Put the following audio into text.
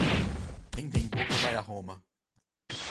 Quem tem boca vai a Roma.